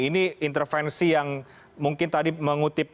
ini intervensi yang mungkin tadi mengutip